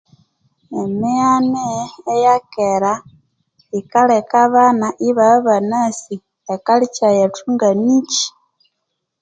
Emighani eyakera yikaleka abana ibabya banasi ekalicha yethu nganiki